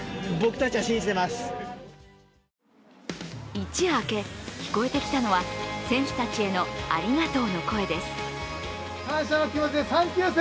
一夜明け、聞こえてきたのは選手たちへのありがとうの声です。